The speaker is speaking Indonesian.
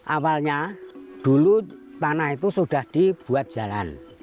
awalnya dulu tanah itu sudah dibuat jalan